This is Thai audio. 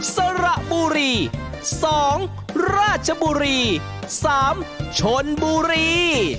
สระบุรี๒ราชบุรี๓ชนบุรี